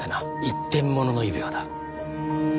一点物の指輪だ。